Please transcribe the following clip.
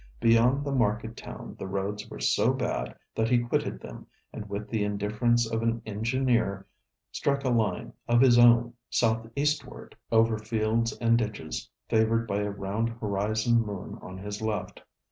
Beyond the market town the roads were so bad that he quitted them, and with the indifference of an engineer, struck a line of his own Southeastward over fields and ditches, favoured by a round horizon moon on his left.